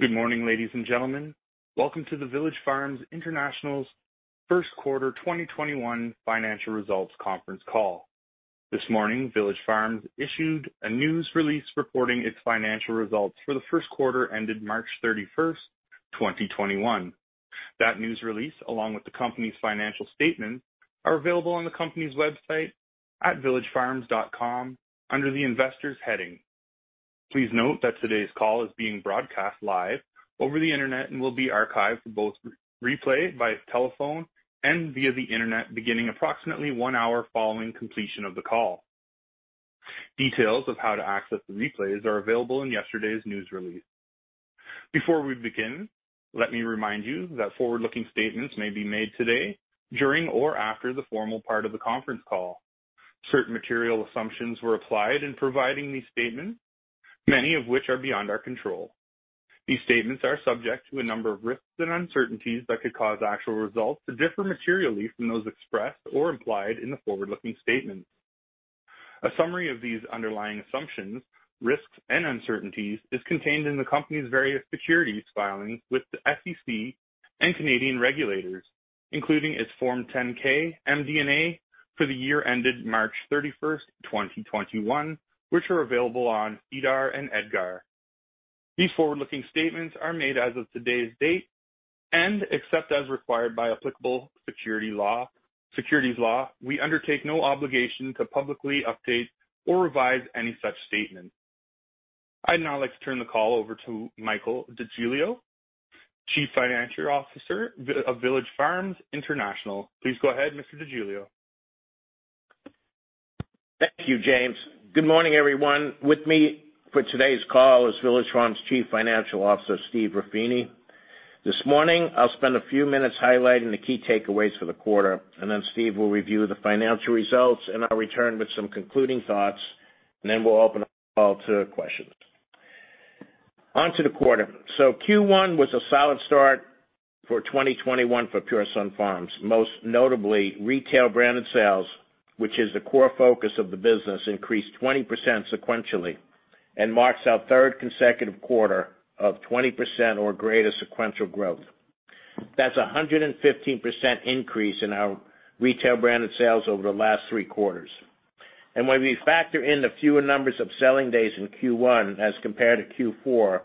Good morning, ladies and gentlemen. Welcome to the Village Farms International's First Quarter 2021 Financial Results Conference Call. This morning, Village Farms issued a news release reporting its financial results for the first quarter ended March 31st, 2021. That news release, along with the company's financial statements, are available on the company's website at villagefarms.com under the Investors heading. Please note that today's call is being broadcast live over the internet and will be archived for both replay by telephone and via the internet beginning approximately one hour following completion of the call. Details of how to access the replays are available in yesterday's news release. Before we begin, let me remind you that forward-looking statements may be made today, during or after the formal part of the conference call. Certain material assumptions were applied in providing these statements, many of which are beyond our control. These statements are subject to a number of risks and uncertainties that could cause actual results to differ materially from those expressed or implied in the forward-looking statements. A summary of these underlying assumptions, risks, and uncertainties is contained in the company's various securities filings with the SEC and Canadian regulators, including its Form 10-K MD&A for the year ended March 31st, 2021, which are available on SEDAR and EDGAR. These forward-looking statements are made as of today's date, and except as required by applicable securities law, we undertake no obligation to publicly update or revise any such statement. I'd now like to turn the call over to Michael DeGiglio, Chief Executive Officer of Village Farms International. Please go ahead, Mr. DeGiglio. Thank you, James. Good morning, everyone. With me for today's call is Village Farms Chief Financial Officer, Stephen Ruffini. This morning, I'll spend a few minutes highlighting the key takeaways for the quarter, and then Steve will review the financial results, and I'll return with some concluding thoughts, and then we'll open up the call to questions. On to the quarter. Q1 was a solid start for 2021 for Pure Sunfarms, most notably retail branded sales, which is the core focus of the business, increased 20% sequentially and marks our third consecutive quarter of 20% or greater sequential growth. That's 115% increase in our retail branded sales over the last three quarters. When we factor in the fewer numbers of selling days in Q1 as compared to Q4,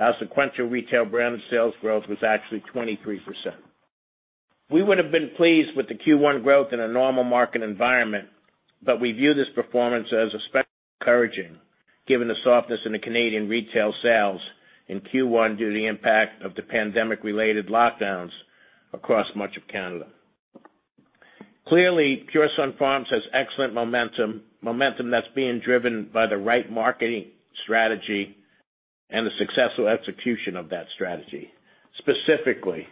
our sequential retail branded sales growth was actually 23%. We would have been pleased with the Q1 growth in a normal market environment, but we view this performance as especially encouraging given the softness in the Canadian retail sales in Q1 due to the impact of the pandemic-related lockdowns across much of Canada. Clearly, Pure Sunfarms has excellent momentum that's being driven by the right marketing strategy and the successful execution of that strategy, specifically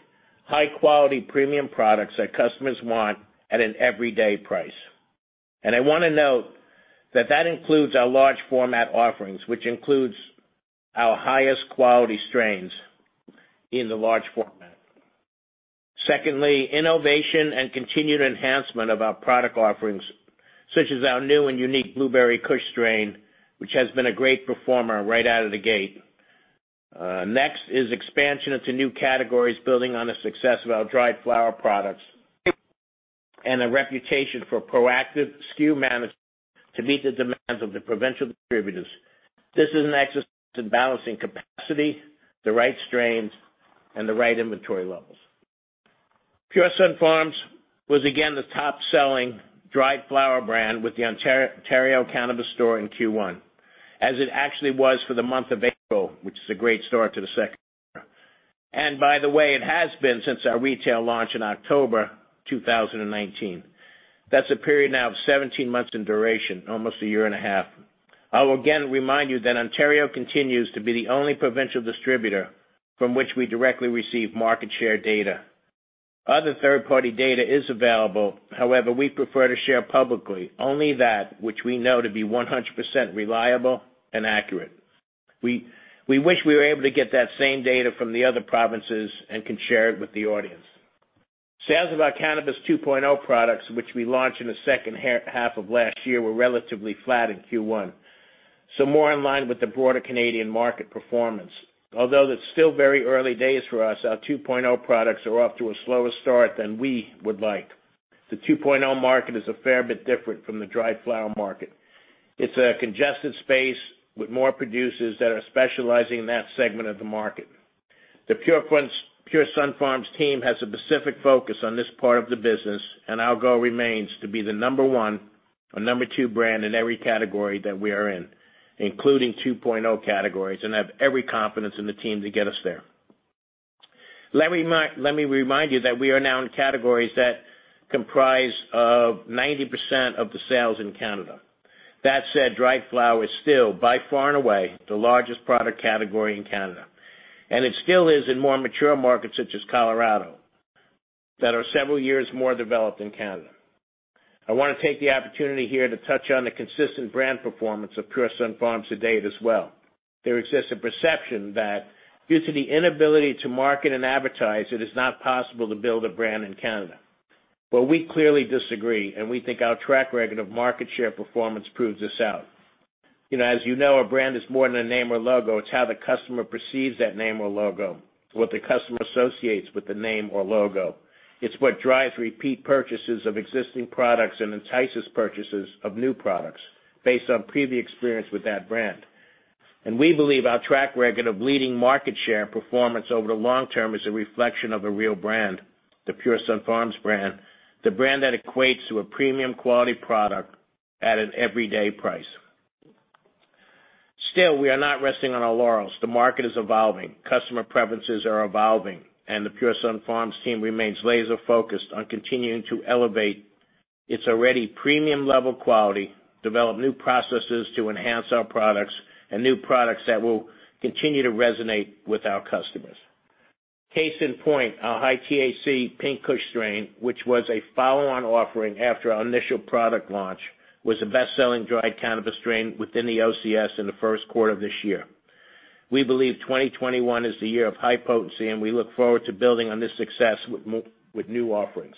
high-quality premium products that customers want at an everyday price. I want to note that that includes our large format offerings, which includes our highest quality strains in the large format. Secondly, innovation and continued enhancement of our product offerings, such as our new and unique Blueberry Kush strain, which has been a great performer right out of the gate. Next is expansion into new categories, building on the success of our dried flower products and a reputation for proactive SKU management to meet the demands of the provincial distributors. This is an exercise in balancing capacity, the right strains, and the right inventory levels. Pure Sunfarms was again the top-selling dried flower brand with the Ontario Cannabis Store in Q1, as it actually was for the month of April, which is a great start to the second quarter. By the way, it has been since our retail launch in October 2019. That's a period now of 17 months in duration, almost a year and a half. I will again remind you that Ontario continues to be the only provincial distributor from which we directly receive market share data. Other third-party data is available; however, we prefer to share publicly only that which we know to be 100% reliable and accurate. We wish we were able to get that same data from the other provinces and can share it with the audience. Sales of our Cannabis 2.0 products, which we launched in the second half of last year, were relatively flat in Q1, so more in line with the broader Canadian market performance. Although it's still very early days for us, our 2.0 products are off to a slower start than we would like. The 2.0 market is a fair bit different from the dried flower market. It's a congested space with more producers that are specializing in that segment of the market. The Pure Sunfarms team has a specific focus on this part of the business, and our goal remains to be the number one or number two brand in every category that we are in, including 2.0 categories, and have every confidence in the team to get us there. Let me remind you that we are now in categories that comprise of 90% of the sales in Canada. That said, dried flower is still, by far and away, the largest product category in Canada, and it still is in more mature markets such as Colorado, that are several years more developed than Canada. I want to take the opportunity here to touch on the consistent brand performance of Pure Sunfarms to date as well. There exists a perception that due to the inability to market and advertise, it is not possible to build a brand in Canada. Well, we clearly disagree, and we think our track record of market share performance proves this out. As you know, our brand is more than a name or logo. It's how the customer perceives that name or logo, what the customer associates with the name or logo. It's what drives repeat purchases of existing products and entices purchases of new products based on previous experience with that brand. We believe our track record of leading market share performance over the long term is a reflection of a real brand, the Pure Sunfarms brand, the brand that equates to a premium quality product at an everyday price. Still, we are not resting on our laurels. The market is evolving, customer preferences are evolving, and the Pure Sunfarms team remains laser-focused on continuing to elevate its already premium level quality, develop new processes to enhance our products and new products that will continue to resonate with our customers. Case in point, our high-THC Pink Kush strain, which was a follow-on offering after our initial product launch, was the best-selling dried cannabis strain within the OCS in the first quarter of this year. We believe 2021 is the year of high potency, and we look forward to building on this success with new offerings.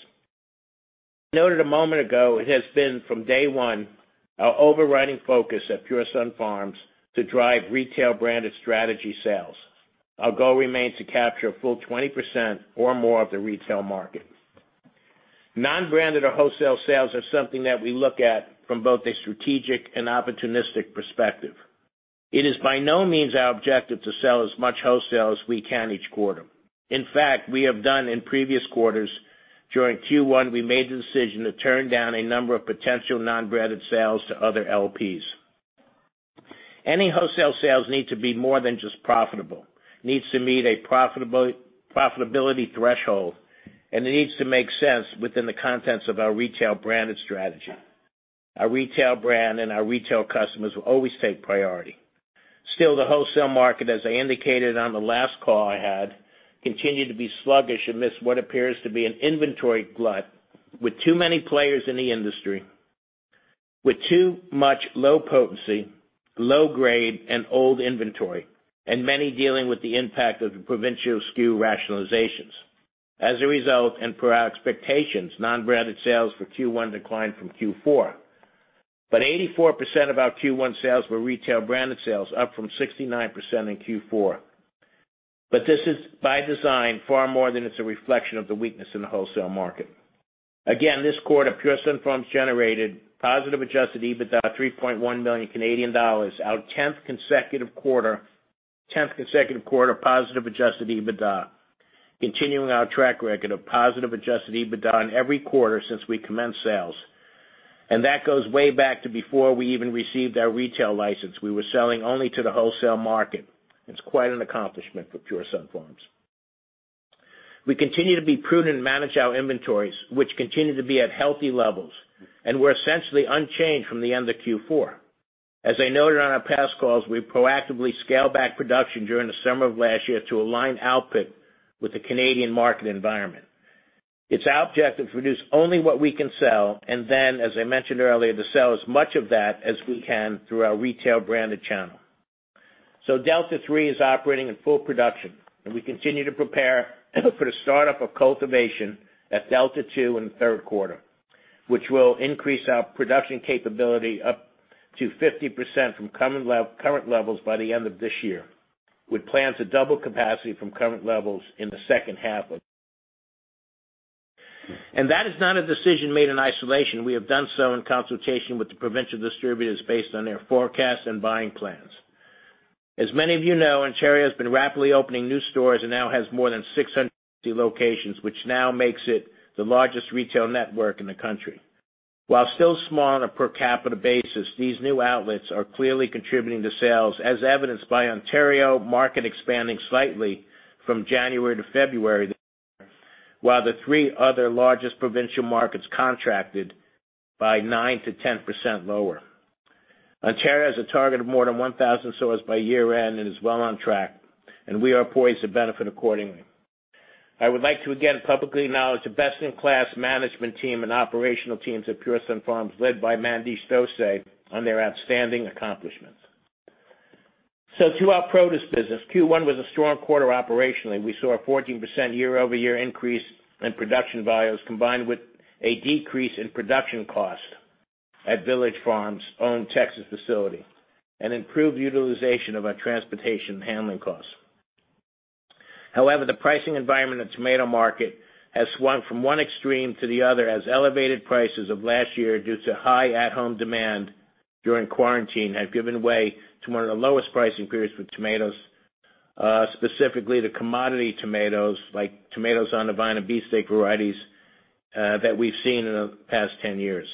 I noted a moment ago, it has been from day one, our overriding focus at Pure Sunfarms to drive retail-branded strategy sales. Our goal remains to capture a full 20% or more of the retail market. Non-branded or wholesale sales are something that we look at from both a strategic and opportunistic perspective. It is by no means our objective to sell as much wholesale as we can each quarter. In fact, we have done in previous quarters, during Q1, we made the decision to turn down a number of potential non-branded sales to other LPs. Any wholesale sales need to be more than just profitable, needs to meet a profitability threshold, and it needs to make sense within the context of our retail branded strategy. Our retail brand and our retail customers will always take priority. Still, the wholesale market, as I indicated on the last call I had, continued to be sluggish amidst what appears to be an inventory glut, with too many players in the industry, with too much low potency, low grade, and old inventory, and many dealing with the impact of the provincial SKU rationalizations. As a result, and per our expectations, non-branded sales for Q1 declined from Q4. 84% of our Q1 sales were retail branded sales, up from 69% in Q4. This is by design, far more than it's a reflection of the weakness in the wholesale market. Again, this quarter, Pure Sunfarms generated positive Adjusted EBITDA of 3.1 million Canadian dollars, our 10th consecutive quarter positive Adjusted EBITDA, continuing our track record of positive Adjusted EBITDA in every quarter since we commenced sales. That goes way back to before we even received our retail license. We were selling only to the wholesale market. It's quite an accomplishment for Pure Sunfarms. We continue to be prudent and manage our inventories, which continue to be at healthy levels and were essentially unchanged from the end of Q4. As I noted on our past calls, we proactively scaled back production during the summer of last year to align output with the Canadian market environment. It's our objective to produce only what we can sell, and then, as I mentioned earlier, to sell as much of that as we can through our retail branded channel. Delta 3 is operating in full production, and we continue to prepare for the start-up of cultivation at Delta 2 in the third quarter, which will increase our production capability up to 50% from current levels by the end of this year, with plans to double capacity from current levels in the second half of. That is not a decision made in isolation. We have done so in consultation with the provincial distributors based on their forecasts and buying plans. As many of you know, Ontario has been rapidly opening new stores and now has more than 650 locations, which now makes it the largest retail network in the country. While still small on a per capita basis, these new outlets are clearly contributing to sales, as evidenced by Ontario market expanding slightly from January to February, while the three other largest provincial markets contracted by 9%-10% lower. Ontario has a target of more than 1,000 stores by year-end and is well on track. We are poised to benefit accordingly. I would like to again publicly acknowledge the best-in-class management team and operational teams at Pure Sunfarms, led by Mandesh Dosanjh, on their outstanding accomplishments. To our produce business, Q1 was a strong quarter operationally. We saw a 14% year-over-year increase in production volumes, combined with a decrease in production cost at Village Farms' own Texas facility, and improved utilization of our transportation handling costs. However, the pricing environment of the tomato market has swung from one extreme to the other, as elevated prices of last year, due to high at-home demand during quarantine, have given way to one of the lowest pricing periods for tomatoes, specifically the commodity tomatoes like tomatoes on the vine and beefsteak varieties, that we've seen in the past 10 years.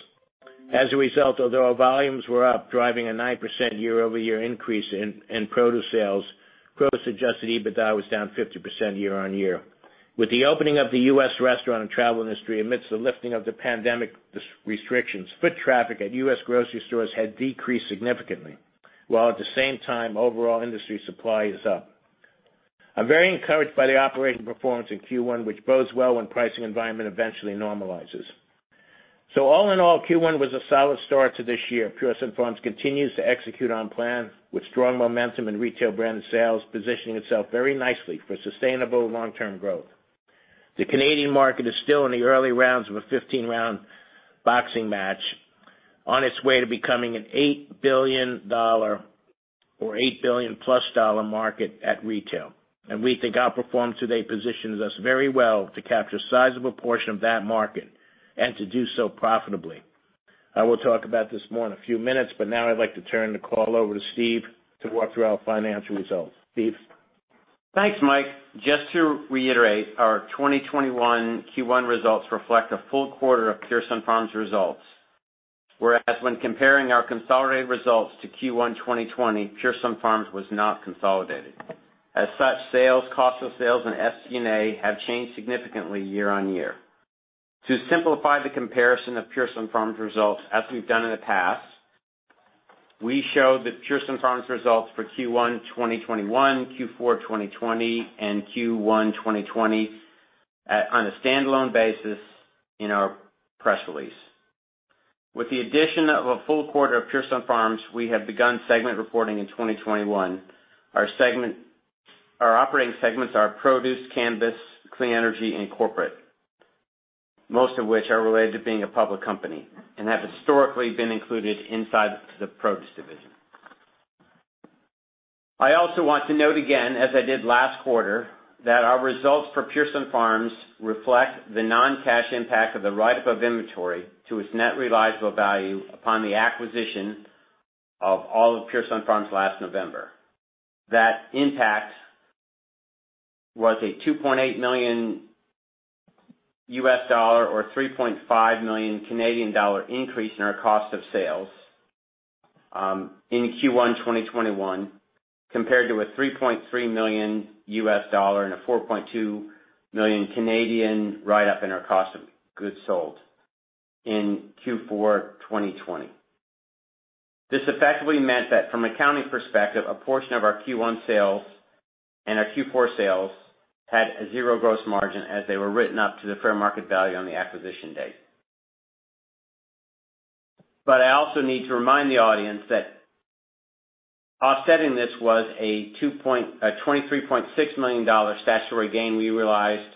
As a result, although our volumes were up, driving a 9% year-over-year increase in produce sales, produce Adjusted EBITDA was down 50% year-on-year. With the opening of the U.S. restaurant and travel industry amidst the lifting of the pandemic restrictions, foot traffic at U.S. grocery stores had decreased significantly, while at the same time, overall industry supply is up. I'm very encouraged by the operating performance in Q1, which bodes well when the pricing environment eventually normalizes. All in all, Q1 was a solid start to this year. Pure Sunfarms continues to execute on plan with strong momentum in retail branded sales, positioning itself very nicely for sustainable long-term growth. The Canadian market is still in the early rounds of a 15-round boxing match on its way to becoming a 8 billion dollar or 8 billion dollar plus market at retail. We think our performance today positions us very well to capture a sizable portion of that market, and to do so profitably. I will talk about this more in a few minutes, but now I'd like to turn the call over to Steve to walk through our financial results. Steve? Thanks, Mike. Just to reiterate, our 2021 Q1 results reflect a full quarter of Pure Sunfarms results. Whereas when comparing our consolidated results to Q1 2020, Pure Sunfarms was not consolidated. As such, sales, cost of sales, and SG&A have changed significantly year-on-year. To simplify the comparison of Pure Sunfarms results as we've done in the past, we show the Pure Sunfarms results for Q1 2021, Q4 2020, and Q1 2020 on a standalone basis in our press release. With the addition of a full quarter of Pure Sunfarms, we have begun segment reporting in 2021. Our operating segments are produce, cannabis, clean energy, and corporate, most of which are related to being a public company and have historically been included inside the produce division. I also want to note again, as I did last quarter, that our results for Pure Sunfarms reflect the non-cash impact of the write-up of inventory to its net realizable value upon the acquisition of all of Pure Sunfarms last November. That impact was a $2.8 million or 3.5 million Canadian dollar increase in our cost of sales in Q1 2021, compared to a $3.3 million and a 4.2 million Canadian dollars write-up in our cost of goods sold in Q4 2020. This effectively meant that from an accounting perspective, a portion of our Q1 sales and our Q4 sales had a zero gross margin as they were written up to the fair market value on the acquisition date. I also need to remind the audience that offsetting this was a 23.6 million dollar statutory gain we realized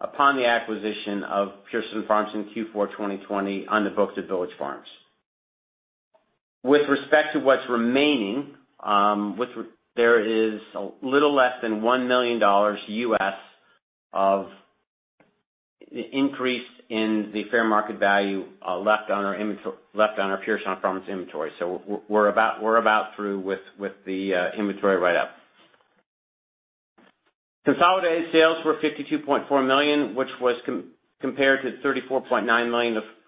upon the acquisition of Pure Sunfarms in Q4 2020 on the books of Village Farms. With respect to what's remaining, there is a little less than $1 million U.S. of increase in the fair market value left on our Pure Sunfarms inventory. We're about through with the inventory write-up. Consolidated sales were 52.4 million,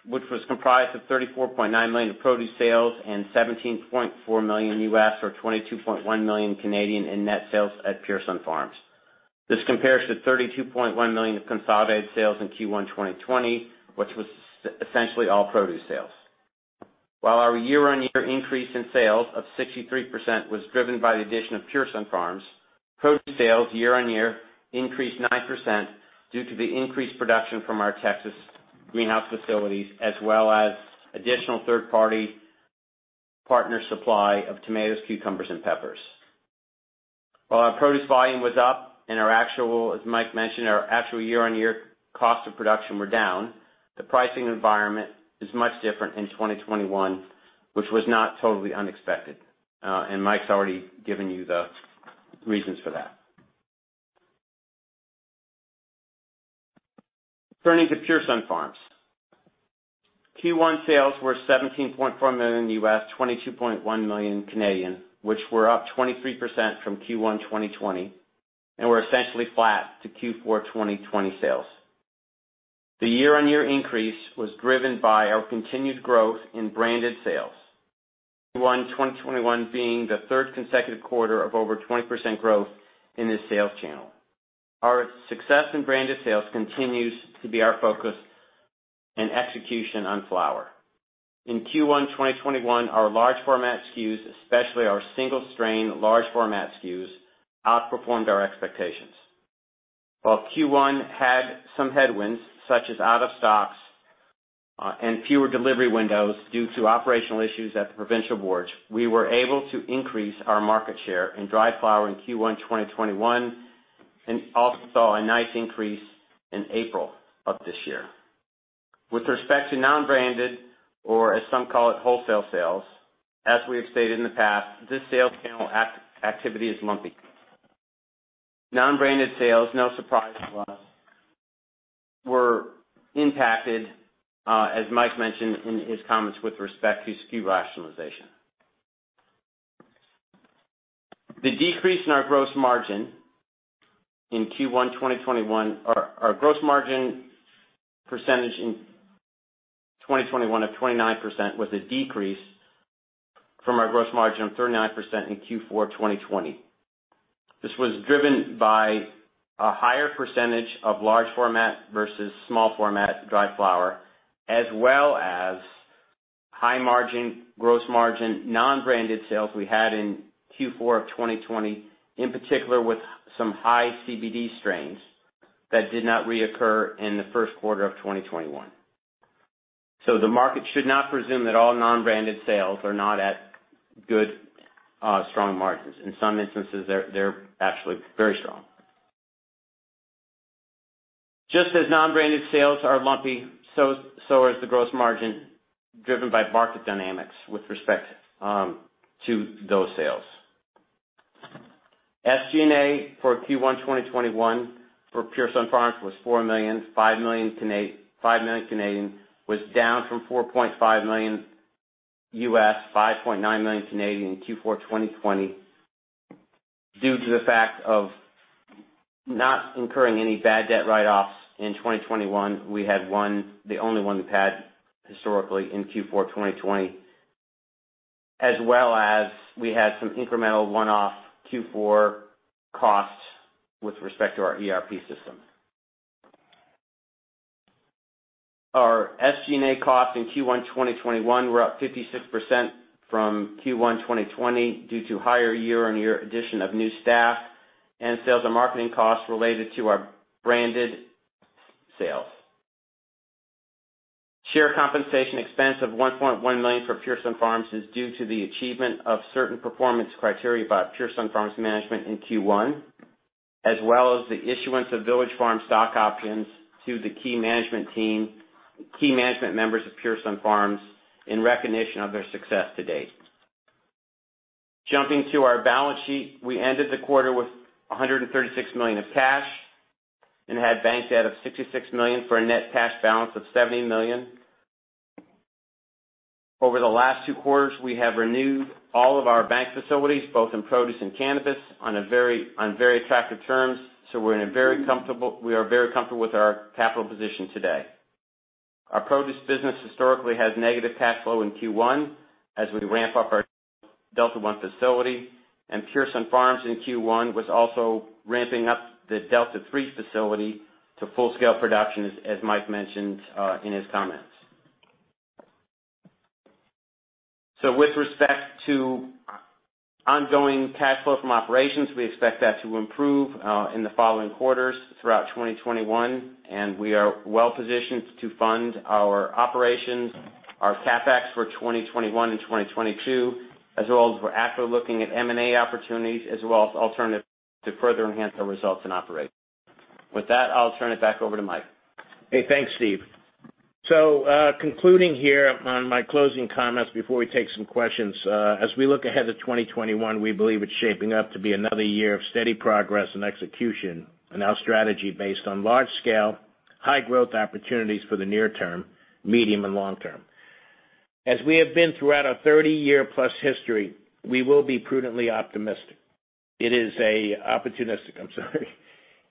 which was comprised of 34.9 million of produce sales and $17.4 million U.S., or 22.1 million Canadian in net sales at Pure Sunfarms. This compares to 32.1 million of consolidated sales in Q1 2020, which was essentially all produce sales. While our year-on-year increase in sales of 63% was driven by the addition of Pure Sunfarms, produce sales year-on-year increased 9% due to the increased production from our Texas greenhouse facilities, as well as additional third-party partner supply of tomatoes, cucumbers, and peppers. While our produce volume was up and our actual, as Mike mentioned, our actual year-on-year cost of production were down, the pricing environment is much different in 2021, which was not totally unexpected. Mike's already given you the reasons for that. Turning to Pure Sunfarms. Q1 sales were $17.4 million, 22.1 million, which were up 23% from Q1 2020, and were essentially flat to Q4 2020 sales. The year-on-year increase was driven by our continued growth in branded sales. Q1 2021 being the third consecutive quarter of over 20% growth in this sales channel. Our success in branded sales continues to be our focus in execution on flower. In Q1 2021, our large format SKUs, especially our single strain large format SKUs, outperformed our expectations. While Q1 had some headwinds, such as out of stocks and fewer delivery windows due to operational issues at the provincial boards, we were able to increase our market share in dry flower in Q1 2021, and also saw a nice increase in April of this year. With respect to non-branded, or as some call it, wholesale sales, as we have stated in the past, this sales channel activity is lumpy. Non-branded sales, no surprise to us, were impacted, as Mike mentioned in his comments with respect to SKU rationalization. The decrease in our gross margin in Q1 2021, our gross margin percentage in 2021 of 29% was a decrease from our gross margin of 39% in Q4 2020. This was driven by a higher percentage of large format versus small format dry flower, as well as high margin, gross margin, non-branded sales we had in Q4 of 2020, in particular with some high CBD strains that did not reoccur in the first quarter of 2021. The market should not presume that all non-branded sales are not at good, strong margins. In some instances, they're actually very strong. Just as non-branded sales are lumpy, so is the gross margin driven by market dynamics with respect to those sales. SG&A for Q1 2021 for Pure Sunfarms was $4 million. 5 million was down from $4.5 million, 5.9 million in Q4 2020 due to the fact of not incurring any bad debt write-offs in 2021. We had one, the only one we've had historically in Q4 2020, as well as we had some incremental one-off Q4 costs with respect to our ERP system. Our SG&A costs in Q1 2021 were up 56% from Q1 2020 due to higher year-on-year addition of new staff and sales and marketing costs related to our branded sales. Share compensation expense of 1.1 million for Pure Sunfarms is due to the achievement of certain performance criteria by Pure Sunfarms management in Q1, as well as the issuance of Village Farms stock options to the key management members of Pure Sunfarms in recognition of their success to date. Jumping to our balance sheet, we ended the quarter with 136 million of cash and had bank debt of 66 million for a net cash balance of 70 million. Over the last two quarters, we have renewed all of our bank facilities, both in produce and cannabis on very attractive terms. We are very comfortable with our capital position today. Our produce business historically has negative cash flow in Q1 as we ramp up our Delta-1 facility, and Pure Sunfarms in Q1 was also ramping up the Delta-3 facility to full scale production, as Mike mentioned in his comments. With respect to ongoing cash flow from operations, we expect that to improve in the following quarters throughout 2021, and we are well-positioned to fund our operations, our CapEx for 2021 and 2022, as well as we're actively looking at M&A opportunities, as well as alternatives to further enhance our results and operations. With that, I'll turn it back over to Mike. Hey, thanks, Steve. Concluding here on my closing comments before we take some questions. As we look ahead to 2021, we believe it's shaping up to be another year of steady progress and execution and our strategy based on large scale, high growth opportunities for the near term, medium, and long term. As we have been throughout our 30-year plus history, we will be prudently optimistic. It is opportunistic, I'm sorry.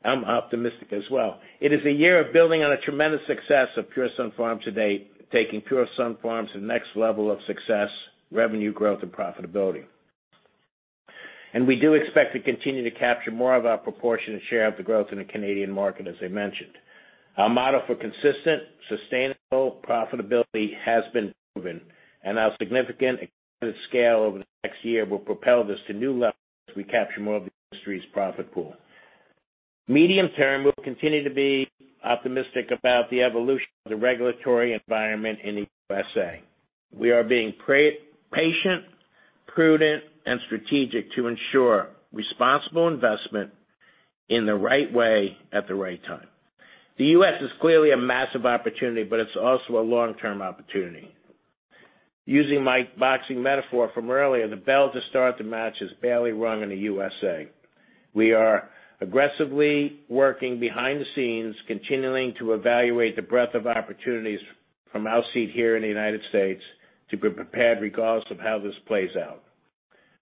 I'm optimistic as well. It is a year of building on a tremendous success of Pure Sunfarms to date, taking Pure Sunfarms to the next level of success, revenue growth, and profitability. We do expect to continue to capture more of our proportionate share of the growth in the Canadian market, as I mentioned. Our model for consistent, sustainable profitability has been proven, and our significant expanded scale over the next year will propel this to new levels as we capture more of the industry's profit pool. Medium term, we'll continue to be optimistic about the evolution of the regulatory environment in the USA. We are being patient, prudent, and strategic to ensure responsible investment in the right way at the right time. The U.S. is clearly a massive opportunity, but it's also a long-term opportunity. Using my boxing metaphor from earlier, the bell to start the match has barely rung in the USA. We are aggressively working behind the scenes, continuing to evaluate the breadth of opportunities from our seat here in the United States to be prepared regardless of how this plays out.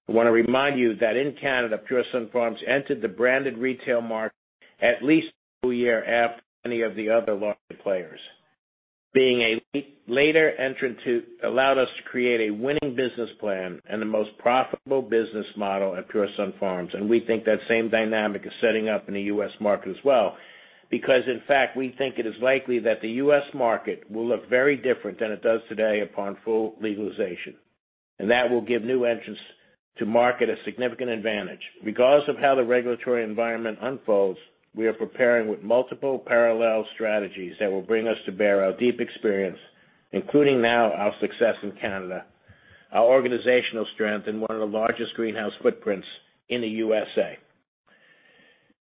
I want to remind you that in Canada, Pure Sunfarms entered the branded retail market at least a full year after many of the other large players. Being a later entrant allowed us to create a winning business plan and the most profitable business model at Pure Sunfarms, and we think that same dynamic is setting up in the U.S. market as well. In fact, we think it is likely that the U.S. market will look very different than it does today upon full legalization. That will give new entrants to market a significant advantage. Regardless of how the regulatory environment unfolds, we are preparing with multiple parallel strategies that will bring us to bear our deep experience, including now our success in Canada, our organizational strength, and one of the largest greenhouse footprints in the U.S.A.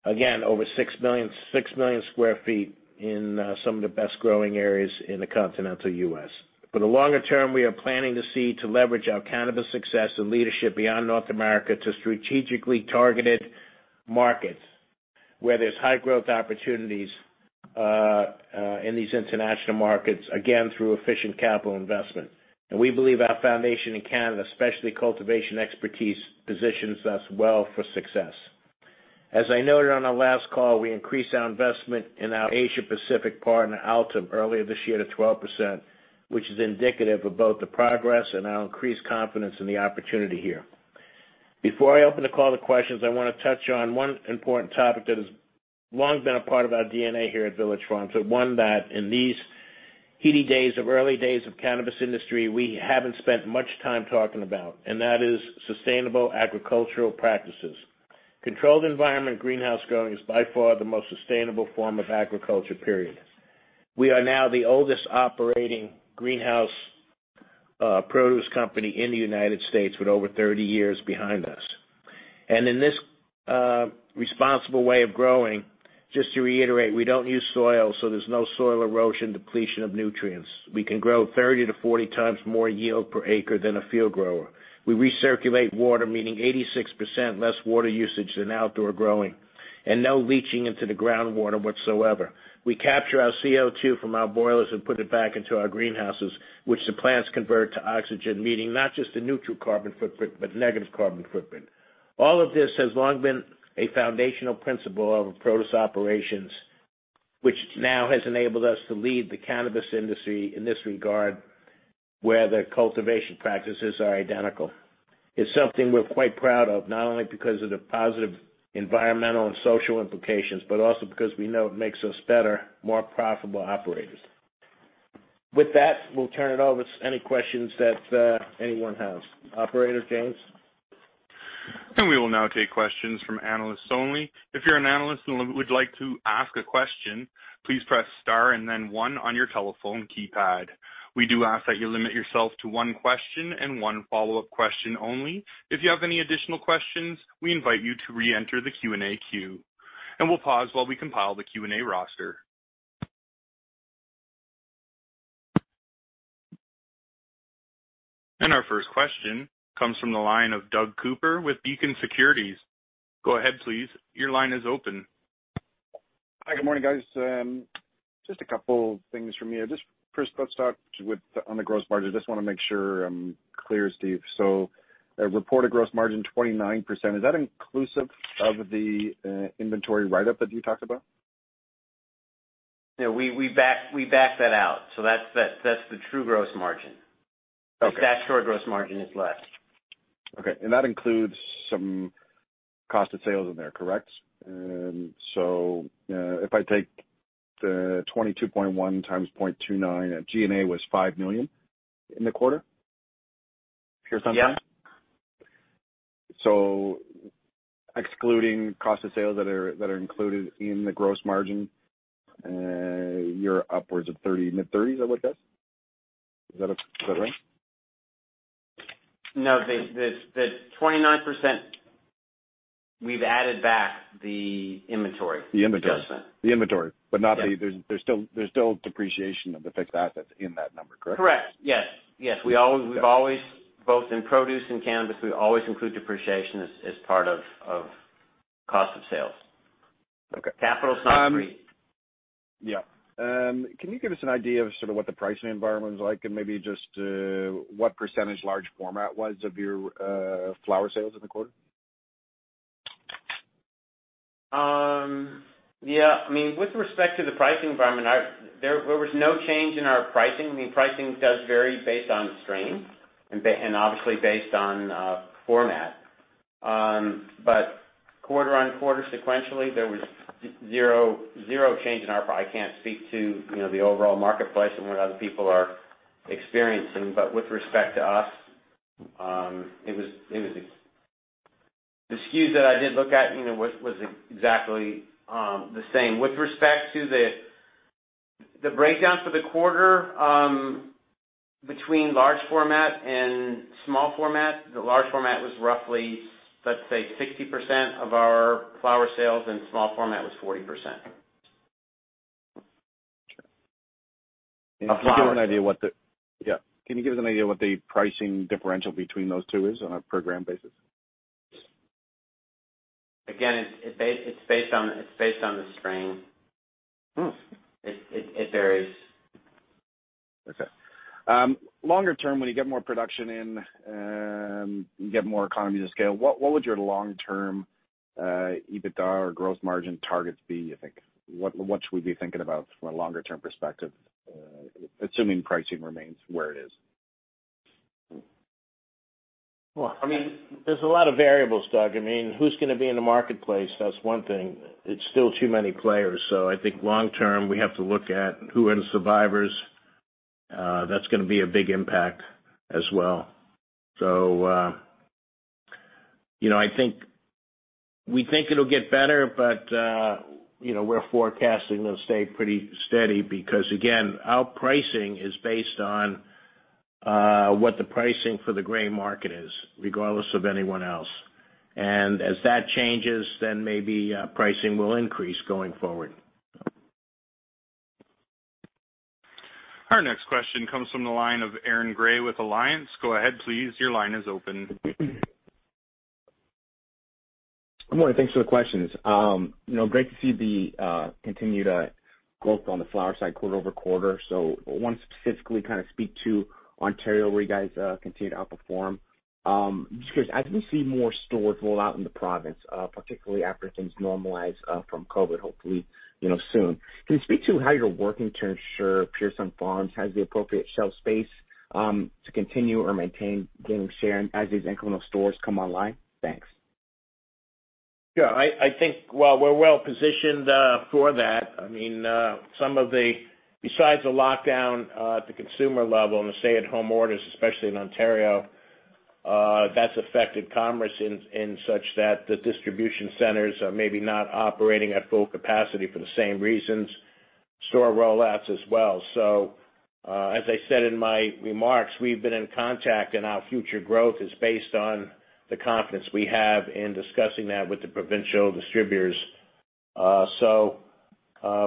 Again, over 6 million sq ft in some of the best growing areas in the continental U.S. For the longer term, we are planning to leverage our cannabis success and leadership beyond North America to strategically targeted markets where there's high growth opportunities in these international markets, again, through efficient capital investment. We believe our foundation in Canada, especially cultivation expertise, positions us well for success. As I noted on our last call, we increased our investment in our Asia Pacific partner, Altum, earlier this year to 12%, which is indicative of both the progress and our increased confidence in the opportunity here. Before I open the call to questions, I want to touch on one important topic that has long been a part of our DNA here at Village Farms, one that in these heady days of early days of cannabis industry, we haven't spent much time talking about, and that is sustainable agricultural practices. Controlled environment greenhouse growing is by far the most sustainable form of agriculture, period. We are now the oldest operating greenhouse, produce company in the U.S. with over 30 years behind us. In this responsible way of growing, just to reiterate, we don't use soil, there's no soil erosion, depletion of nutrients. We can grow 30 - 40X more yield per acre than a field grower. We recirculate water, meaning 86% less water usage than outdoor growing, and no leaching into the groundwater whatsoever. We capture our CO2 from our boilers and put it back into our greenhouses, which the plants convert to oxygen, meaning not just a neutral carbon footprint, but negative carbon footprint. All of this has long been a foundational principle of produce operations, which now has enabled us to lead the cannabis industry in this regard, where the cultivation practices are identical. It's something we're quite proud of, not only because of the positive environmental and social implications, but also because we know it makes us better, more profitable operators. With that, we'll turn it over to any questions that anyone has. Operator James? We will now take questions from analysts only. If you're an analyst and would like to ask a question, please press star and then one on your telephone keypad. We do ask that you limit yourself to one question and one follow-up question only. If you have any additional questions, we invite you to reenter the Q&A queue. We'll pause while we compile the Q&A roster. Our first question comes from the line of Doug Cooper with Beacon Securities. Go ahead, please. Your line is open. Hi, good morning, guys. Just a couple things from me. Just first, let's start on the gross margin. Just want to make sure I'm clear, Steve. Reported gross margin 29%. Is that inclusive of the inventory write-up that you talked about? No, we backed that out. That's the true gross margin. Okay. The statutory gross margin is less. Okay. That includes some cost of sales in there, correct? If I take the 22.1 X 0.29, G&A was 5 million in the quarter for some reason. Yeah. Excluding cost of sales that are included in the gross margin, you're upwards of 30%, mid-30s%, I would guess. Is that right? No, the 29%, we've added back the inventory. The inventory. Adjustments. The inventory. Yeah. There's still depreciation of the fixed assets in that number, correct? Correct. Yes. Okay. We've always, both in produce and cannabis, we always include depreciation as part of cost of sales. Okay. Capital's not free. Yeah. Can you give us an idea of sort of what the pricing environment was like and maybe just what % large format was of your flower sales in the quarter? Yeah. With respect to the pricing environment, there was no change in our pricing. Pricing does vary based on strain and obviously based on format. Quarter-on-quarter sequentially, there was zero change in our pr--. I can't speak to the overall marketplace and what other people are experiencing. With respect to us, the SKUs that I did look at was exactly the same. With respect to the breakdowns for the quarter, between large format and small format, the large format was roughly, let's say 60% of our flower sales, and small format was 40%. Sure. Of flower. Yeah. Can you give us an idea what the pricing differential between those two is on a per gram basis? It's based on the strain. It varies. Okay. Longer term, when you get more production in, you get more economies of scale. What would your long-term EBITDA or gross margin targets be, you think? What should we be thinking about from a longer-term perspective, assuming pricing remains where it is? Well, there's a lot of variables, Doug. Who's going to be in the marketplace? That's one thing. It's still too many players. I think long term, we have to look at who are the survivors. That's going to be a big impact as well. We think it'll get better, but we're forecasting it'll stay pretty steady because, again, our pricing is based on what the pricing for the gray market is, regardless of anyone else. As that changes, then maybe pricing will increase going forward. Our next question comes from the line of Aaron Grey with Alliance. Good morning. Thanks for the questions. Great to see the continued growth on the flower side quarter-over-quarter. Want to specifically kind of speak to Ontario, where you guys continue to outperform. Just curious, as we see more stores roll out in the province, particularly after things normalize from COVID, hopefully soon. Can you speak to how you're working to ensure Pure Sunfarms has the appropriate shelf space to continue or maintain gaining share as these incremental stores come online? Thanks. Yeah, I think, well, we're well-positioned for that. Besides the lockdown at the consumer level and the stay-at-home orders, especially in Ontario, that's affected commerce in such that the distribution centers are maybe not operating at full capacity for the same reasons. Store rollouts as well. As I said in my remarks, we've been in contact, and our future growth is based on the confidence we have in discussing that with the provincial distributors.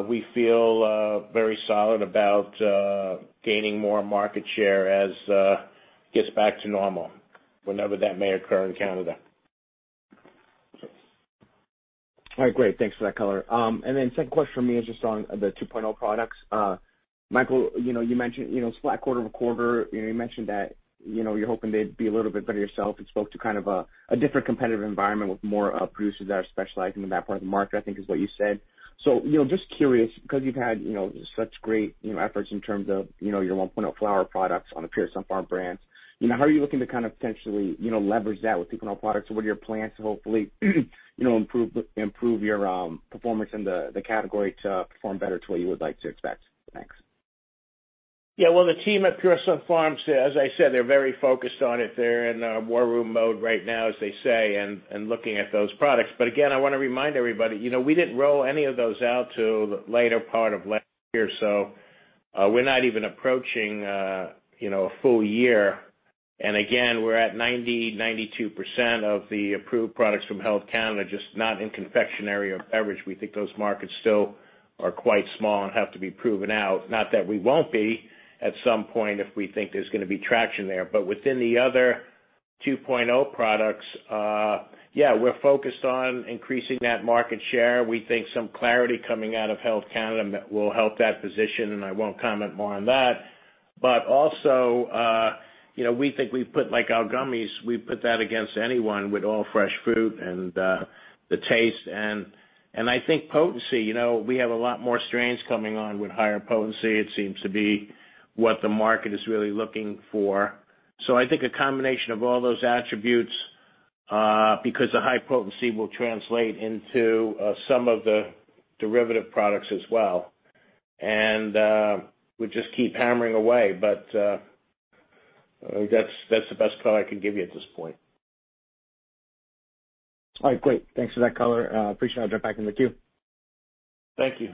We feel very solid about gaining more market share as it gets back to normal, whenever that may occur in Canada. All right, great. Thanks for that color. Second question from me is just on the 2.0 products. Michael, you mentioned it's flat quarter-over-quarter. You mentioned that you're hoping they'd be a little bit better yourself and spoke to kind of a different competitive environment with more producers that are specializing in that part of the market, I think is what you said. Just curious, because you've had such great efforts in terms of your 1.0 flower products on the Pure Sunfarms brands, how are you looking to kind of potentially leverage that with 2.0 products? What are your plans to hopefully improve your performance in the category to perform better to what you would like to expect? Thanks. Yeah. Well, the team at Pure Sunfarms, as I said, they're very focused on it. They're in war room mode right now, as they say, and looking at those products. Again, I want to remind everybody, we didn't roll any of those out till the later part of last year. We're not even approaching a full year. Again, we're at 90%, 92% of the approved products from Health Canada, just not in confectionery or beverage. We think those markets still are quite small and have to be proven out. Not that we won't be at some point if we think there's going to be traction there, within the other Cannabis 2.0 products, yeah, we're focused on increasing that market share. We think some clarity coming out of Health Canada will help that position, I won't comment more on that. Also, we think we've put like our gummies, we put that against anyone with all fresh fruit and the taste. I think potency, we have a lot more strains coming on with higher potency. It seems to be what the market is really looking for. I think a combination of all those attributes, because the high potency will translate into some of the derivative products as well. We just keep hammering away. That's the best color I can give you at this point. All right, great. Thanks for that color. Appreciate it. I'll jump back in the queue. Thank you.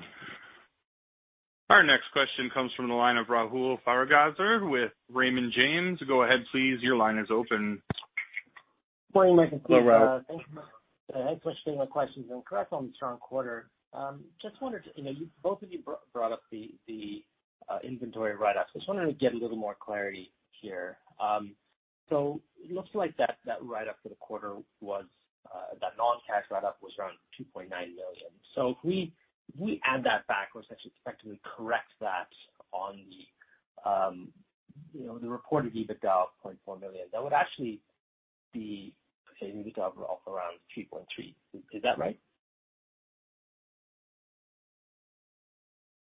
Our next question comes from the line of Rahul Sarugaser with Raymond James. Go ahead, please. Your line is open. Morning, Mike and team. Hello, Rahul. Thanks for taking my questions. Congrats on the strong quarter. Both of you brought up the inventory write-ups. Just wanted to get a little more clarity here. It looks like that non-cash write-up was around 2.9 million. If we add that back or essentially effectively correct that on the reported EBITDA of 0.4 million, that would actually be saying the EBITDA of around 3.3 million. Is that right?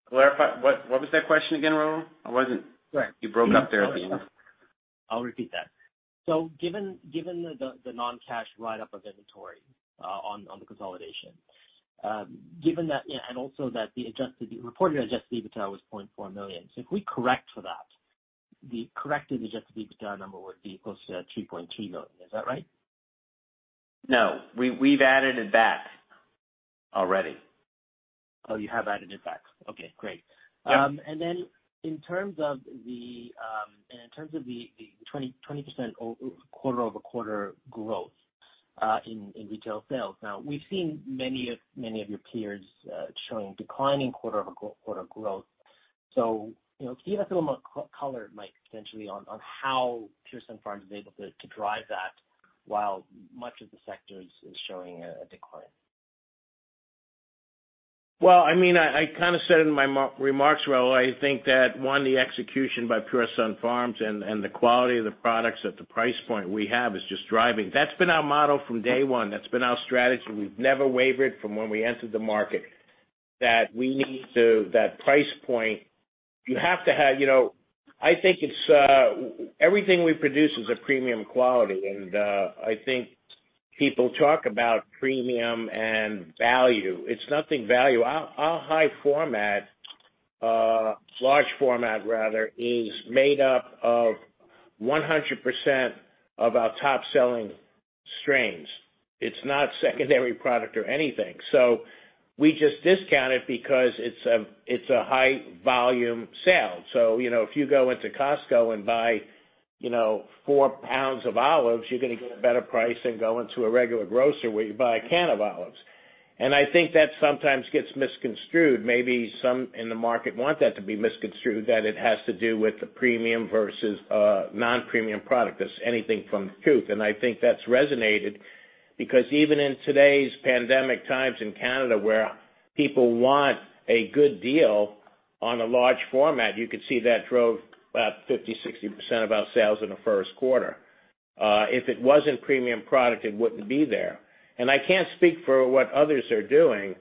Clarify, what was that question again, Rahul? You broke up there at the end. I'll repeat that. Given the non-cash write-up of inventory on the consolidation, and also that the reported Adjusted EBITDA was 0.4 million. If we correct for that, the corrected Adjusted EBITDA number would be close to 3.2 million. Is that right? No, we've added it back already. Oh, you have added it back. Okay, great. Yeah. In terms of the 20% quarter-over-quarter growth in retail sales. We've seen many of your peers showing declining quarter-over-quarter growth. Can you give us a little more color, Mike, potentially on how Pure Sunfarms is able to drive that while much of the sector is showing a decline? Well, I kind of said it in my remarks, Rahul. I think that, one, the execution by Pure Sunfarms and the quality of the products at the price point we have is just driving. That's been our motto from day one. That's been our strategy. We've never wavered from when we entered the market that we need that price point. Everything we produce is a premium quality. I think people talk about premium and value. It's nothing value. Our high format, large format rather, is made up of 100% of our top-selling strains. It's not secondary product or anything. We just discount it because it's a high volume sale. If you go into Costco and buy four pounds of olives, you're going to get a better price than going to a regular grocer where you buy a can of olives. I think that sometimes gets misconstrued. Maybe some in the market want that to be misconstrued, that it has to do with the premium versus non-premium product. That's anything from the truth. I think that's resonated because even in today's pandemic times in Canada where people want a good deal on a large format, you could see that drove 50%-60% of our sales in the first quarter. If it wasn't premium product, it wouldn't be there. I can't speak for what others are doing.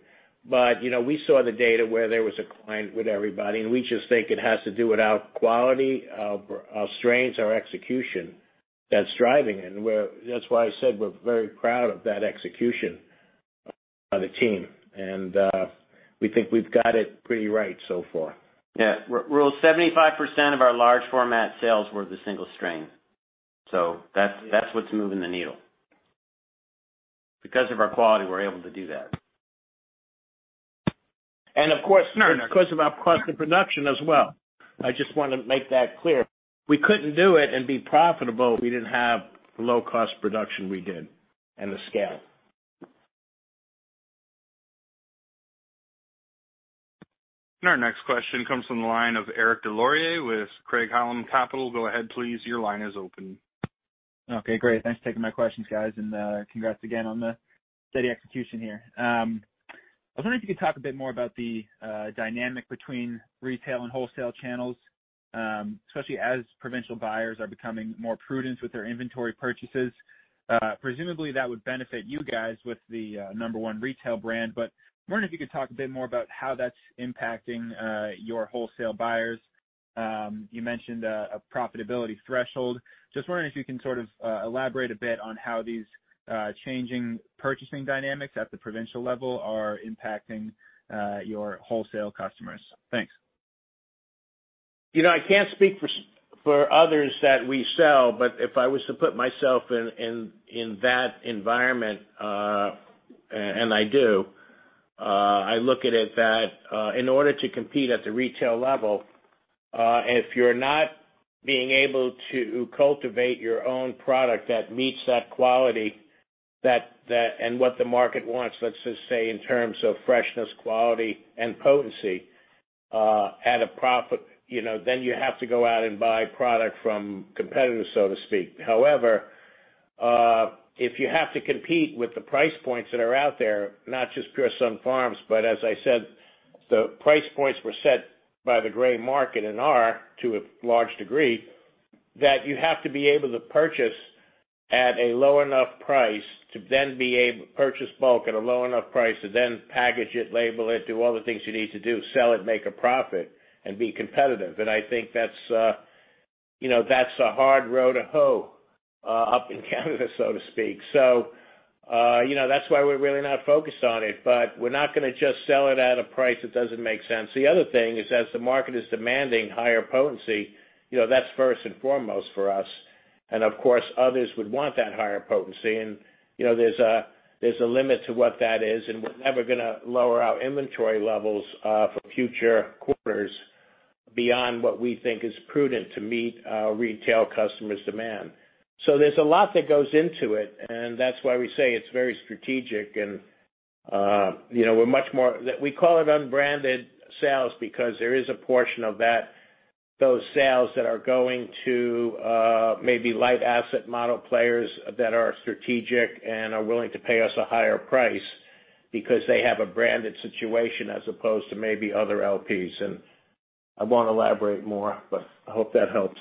We saw the data where there was a client with everybody, and we just think it has to do with our quality, our strains, our execution that's driving it. That's why I said we're very proud of that execution by the team. We think we've got it pretty right so far. Yeah. Roughly 75% of our large format sales were the single strain. That's what's moving the needle, because of our quality, we're able to do that. Of course, because of our cost of production as well. I just want to make that clear. We couldn't do it and be profitable if we didn't have the low-cost production we did and the scale. Our next question comes from the line of Eric Des Lauriers with Craig-Hallum Capital. Go ahead, please. Your line is open. Okay, great. Thanks for taking my questions, guys, and congrats again on the steady execution here. I was wondering if you could talk a bit more about the dynamic between retail and wholesale channels, especially as provincial buyers are becoming more prudent with their inventory purchases. Presumably, that would benefit you guys with the number one retail brand. I'm wondering if you could talk a bit more about how that's impacting your wholesale buyers. You mentioned a profitability threshold. Just wondering if you can sort of elaborate a bit on how these changing purchasing dynamics at the provincial level are impacting your wholesale customers. Thanks. I can't speak for others that we sell, but if I was to put myself in that environment, and I do, I look at it that in order to compete at the retail level, if you're not being able to cultivate your own product that meets that quality and what the market wants, let's just say in terms of freshness, quality, and potency at a profit, then you have to go out and buy product from competitors, so to speak. If you have to compete with the price points that are out there, not just Pure Sunfarms, but as I said, the price points were set by the gray market and are, to a large degree, that you have to be able to purchase bulk at a low enough price to then package it, label it, do all the things you need to do, sell it, make a profit, and be competitive. I think that's a hard row to hoe up in Canada, so to speak. That's why we're really not focused on it, but we're not going to just sell it at a price that doesn't make sense. The other thing is, as the market is demanding higher potency, that's first and foremost for us. Of course, others would want that higher potency. There's a limit to what that is, and we're never going to lower our inventory levels for future quarters beyond what we think is prudent to meet our retail customers' demand. There's a lot that goes into it, and that's why we say it's very strategic. We call it unbranded sales because there is a portion of those sales that are going to maybe light asset model players that are strategic and are willing to pay us a higher price because they have a branded situation as opposed to maybe other LPs. I won't elaborate more, but I hope that helps.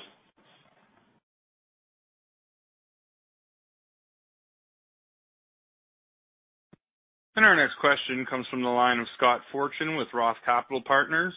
Our next question comes from the line of Scott Fortune with ROTH Capital Partners.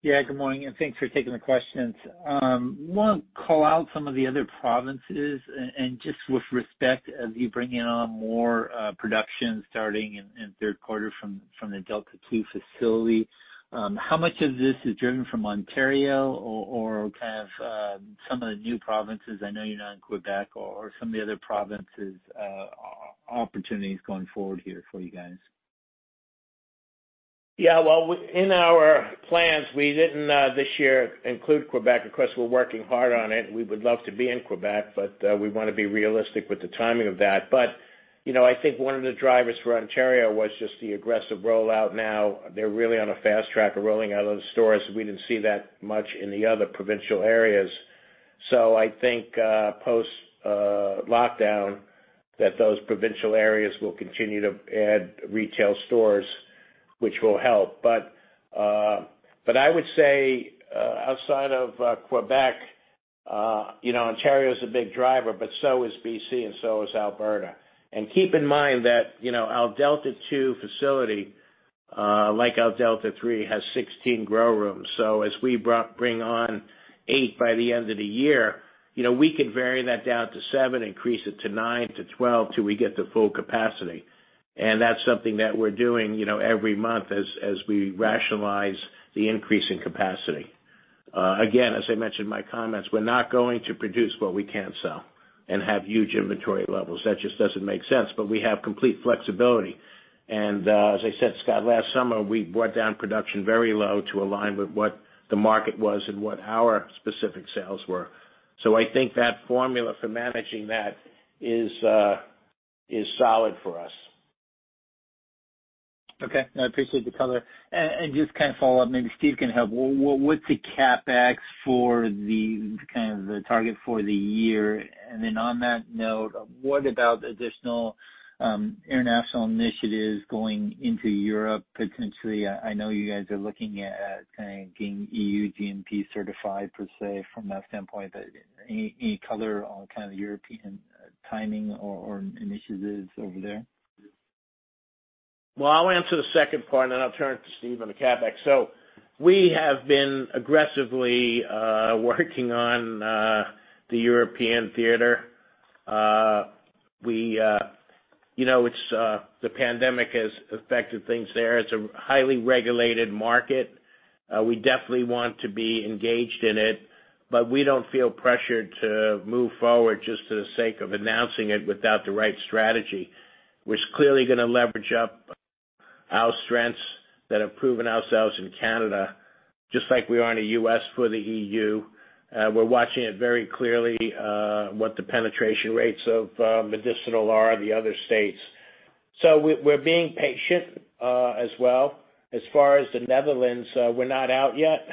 Yeah, good morning, and thanks for taking the questions. You want to call out some of the other provinces and just with respect as you bring in on more production starting in third quarter from the Delta 2 facility? How much of this is driven from Ontario or kind of some of the new provinces? I know you're not in Quebec or some of the other provinces, opportunities going forward here for you guys? Well, in our plans, we didn't this year include Quebec. Of course, we're working hard on it. We would love to be in Quebec, but we want to be realistic with the timing of that. I think one of the drivers for Ontario was just the aggressive rollout now. They're really on a fast track of rolling out of the stores. We didn't see that much in the other provincial areas. I think post-lockdown, that those provincial areas will continue to add retail stores, which will help. I would say outside of Quebec, Ontario is a big driver, but so is BC and so is Alberta. Keep in mind that our Delta 2 facility, like our Delta 3, has 16 grow rooms. As we bring on eight by the end of the year, we could vary that down to seven, increase it to 12 till we get to full capacity. That's something that we're doing every month as we rationalize the increase in capacity. Again, as I mentioned in my comments, we're not going to produce what we can't sell and have huge inventory levels. That just doesn't make sense. We have complete flexibility. As I said, Scott, last summer, we brought down production very low to align with what the market was and what our specific sales were. I think that formula for managing that is solid for us. Okay. I appreciate the color. Just kind of follow up, maybe Steve can help. What's the CapEx for the kind of the target for the year? On that note, what about additional international initiatives going into Europe potentially? I know you guys are looking at kind of getting EU GMP certified per se from that standpoint, but any color on kind of European timing or initiatives over there? I'll answer the second part, and then I'll turn it to Steve on the CapEx. We have been aggressively working on the European theater. The pandemic has affected things there. It's a highly regulated market. We definitely want to be engaged in it, but we don't feel pressured to move forward just for the sake of announcing it without the right strategy. We're clearly going to leverage up our strengths that have proven ourselves in Canada, just like we are in the U.S. for the EU. We're watching it very clearly what the penetration rates of medicinal are in the other states. We're being patient as well. As far as the Netherlands, we're not out yet.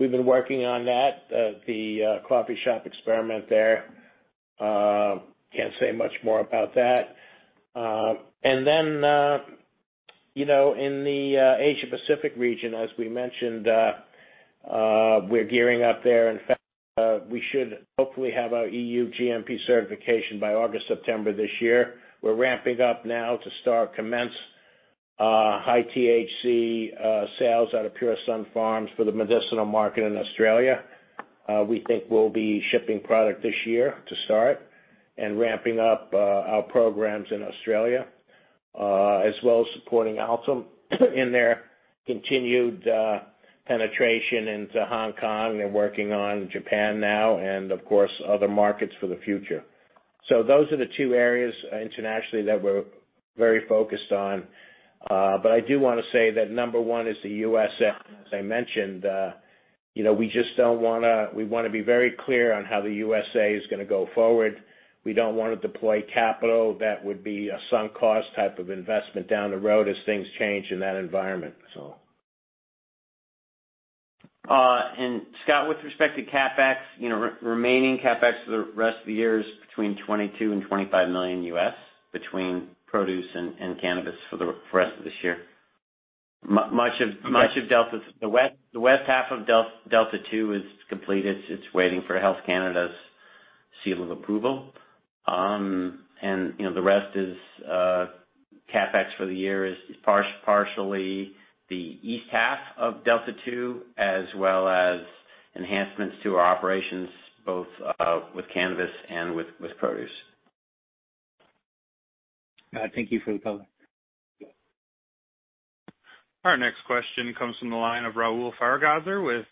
We've been working on that, the coffee shop experiment there. Can't say much more about that. In the Asia-Pacific region, as we mentioned, we're gearing up there. In fact, we should hopefully have our EU GMP certification by August, September this year. We're ramping up now to start to commence high-THC sales out of Pure Sunfarms for the medicinal market in Australia. We think we'll be shipping product this year to start and ramping up our programs in Australia. As well as supporting Altum in their continued penetration into Hong Kong. They're working on Japan now and, of course, other markets for the future. Those are the two areas internationally that we're very focused on. I do want to say that number one is the U.S. As I mentioned, we want to be very clear on how the U.S.A. is going to go forward. We don't want to deploy capital that would be a sunk cost type of investment down the road as things change in that environment. Scott, with respect to CapEx, remaining CapEx for the rest of the year is between 22 million-25 million USD, between produce and cannabis for the rest of this year. The west half of Delta 2 is completed. It's waiting for Health Canada's seal of approval. The rest is CapEx for the year is partially the east half of Delta 2, as well as enhancements to our operations both with cannabis and with produce. Thank you for the color. Yeah. Our next question comes from the line of Rahul Sarugaser with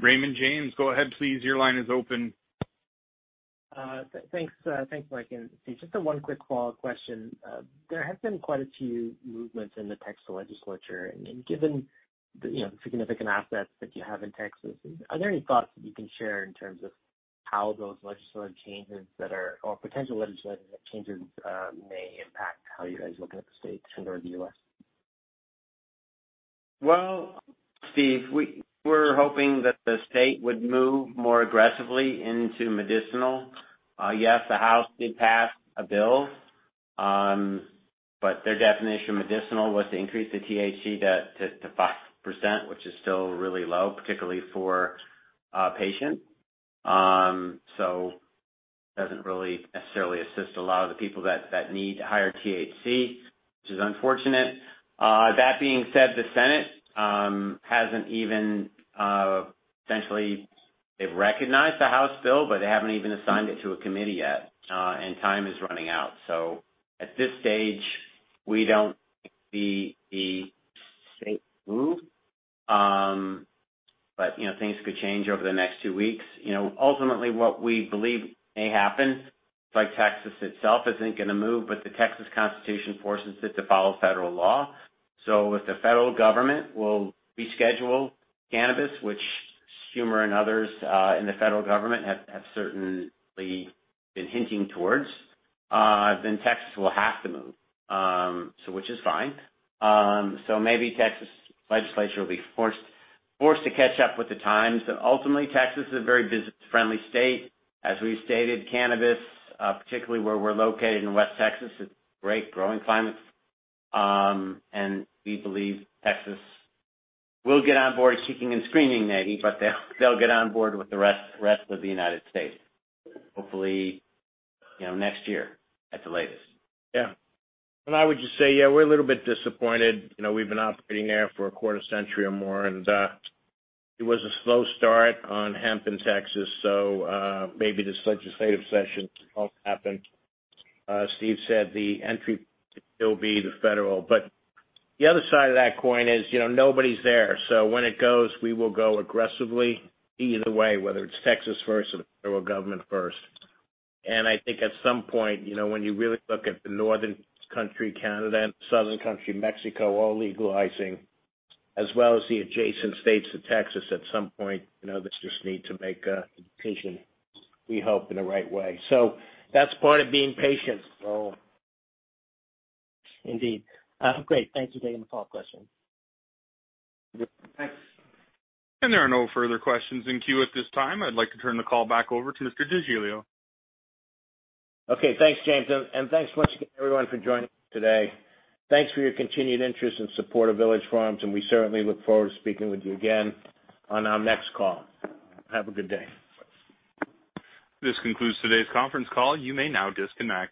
Raymond James. Go ahead, please. Thanks. I think I can see. Just one quick follow-up question. There have been quite a few movements in the Texas legislature. Given the significant assets that you have in Texas, are there any thoughts that you can share in terms of how those potential legislative changes may impact how you guys look at the state and/or the U.S.? Well, Steve, we were hoping that the state would move more aggressively into medicinal. Yes, the House did pass a bill. Their definition of medicinal was to increase the THC to 5%, which is still really low, particularly for a patient. Doesn't really necessarily assist a lot of the people that need higher THC, which is unfortunate. That being said, the Senate hasn't even essentially They've recognized the House bill, but they haven't even assigned it to a committee yet. Time is running out. At this stage, we don't see the state move. Things could change over the next few weeks. Ultimately, what we believe may happen is Texas itself isn't going to move, but the Texas Constitution forces it to follow federal law. If the federal government will reschedule cannabis, which Schumer and others in the federal government have certainly been hinting towards, then Texas will have to move, which is fine. Maybe Texas legislature will be forced to catch up with the times. Ultimately, Texas is a very business-friendly state. As we stated, cannabis, particularly where we're located in West Texas, it's a great growing climate. We believe Texas will get on board kicking and screaming maybe, but they'll get on board with the rest of the U.S., hopefully next year at the latest. Yeah. I would just say, yeah, we're a little bit disappointed. We've been operating there for a quarter century or more, and it was a slow start on hemp in Texas, so maybe this legislative session it won't happen. As Steve said, the entry point will be the federal. The other side of that coin is, nobody's there. When it goes, we will go aggressively either way, whether it's Texas first or the federal government first. I think at some point, when you really look at the northern country, Canada, and southern country, Mexico, all legalizing, as well as the adjacent states to Texas, at some point, they just need to make a decision, we hope, in the right way. That's part of being patient. Indeed. Great. Thank you. Good follow-up question. Yeah. Thanks. There are no further questions in queue at this time. I'd like to turn the call back over to Mr. DeGiglio. Okay. Thanks, James. Thanks once again everyone for joining us today. Thanks for your continued interest and support of Village Farms, and we certainly look forward to speaking with you again on our next call. Have a good day. This concludes today's conference call. You may now disconnect.